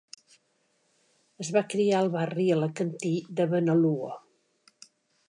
Es va criar al barri alacantí de Benalua.